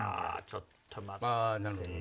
ちょっと待って。